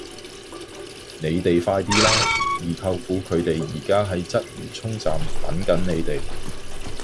你哋快啲啦!二舅父佢哋而家喺鰂魚涌站等緊你哋